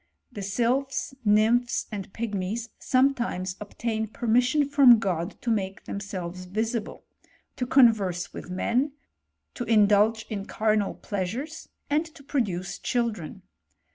The sylp! nymphs, and pigmies, sometimes obtain permissi from God to make themselves visible, to convei with men, to indulge in carnal pleasures, and to pid^ duce children.